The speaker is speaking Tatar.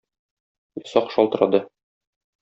Йозак шалтырады.